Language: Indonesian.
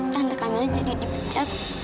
tante kan jadi dipecat